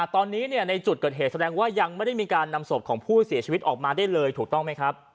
ตอนนี้ในจุดเกิดเหตุแสดงว่ายังไม่ได้มีการนำศพของผู้เสียชีวิตออกมาได้เลยถูกต้องไหมครับ